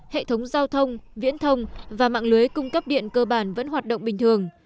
hệ thống giao thông viễn thông và mạng lưới cung cấp điện cơ bản vẫn hoạt động bình thường